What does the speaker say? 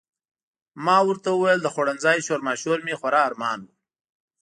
ما ورته وویل د خوړنځای شورماشور مې خورا ارمان و.